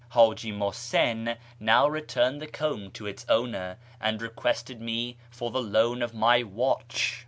Haji Muhsin now returned the comb to its owner, and requested me for the loan of my watch.